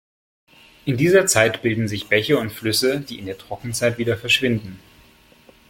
In dieser Zeit bilden sich Bäche und Flüsse, die in der Trockenzeit wieder verschwinden.